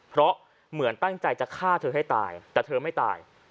เพราะเหมือนตั้งใจจะฆ่าเธอให้ตายแต่เธอไม่ตาย